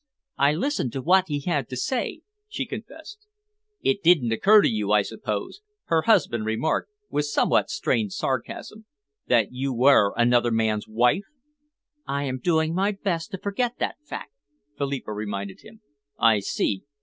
"I listened to what he had to say," she confessed. "It didn't occur to you, I suppose," her husband remarked, with somewhat strained sarcasm, "that you were another man's wife?" "I am doing my best to forget that fact," Philippa reminded him. "I see!